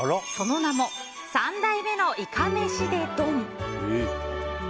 その名も３代目のいかめしｄｅ丼！！。